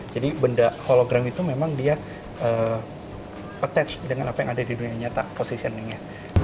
jadi benda hologram itu memang dia attached dengan apa yang ada di dunia nyata positioningnya